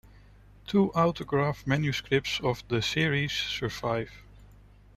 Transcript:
Two autograph manuscripts of the "Series" survive.